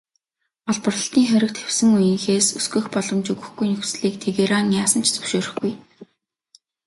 Олборлолтыг хориг тавьсан үеийнхээс өсгөх боломж өгөхгүй нөхцөлийг Тегеран яасан ч зөвшөөрөхгүй.